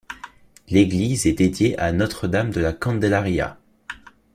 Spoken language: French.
L'église est dédiée à Notre Dame de la Candelaria.